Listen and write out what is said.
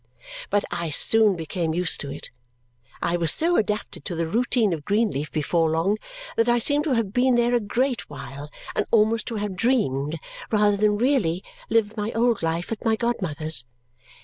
But I soon became used to it. I was so adapted to the routine of Greenleaf before long that I seemed to have been there a great while and almost to have dreamed rather than really lived my old life at my godmother's.